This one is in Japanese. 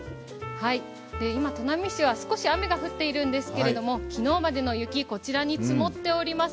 今、砺波市は少し雨が降っているんですが昨日までの雪、こちらに積もっております。